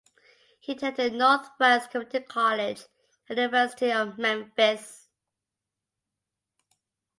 He attended Northwest Community College and the University of Memphis.